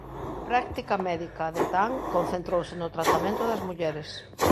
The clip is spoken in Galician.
A práctica médica de Tan concentrouse no tratamento das mulleres.